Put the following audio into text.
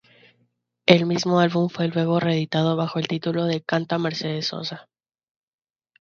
El mismo álbum fue luego reeditado bajo el título de "Canta Mercedes Sosa".